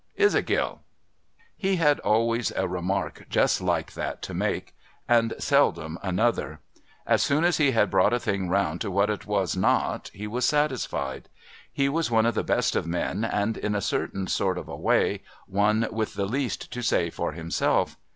Is it, Gill ?' He had always a remark just like that to make, and seldom another. As soon as he had brought a thing round to what it was ALARM OF PIRATES 745 not, he was satisfied. He was one of the best of men, and, in a certain sort of a way, one with the least to say for himself.